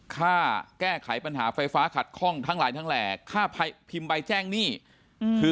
ค่าแก้ไขปัญหาไฟฟ้าขัดคล่องทั้งแล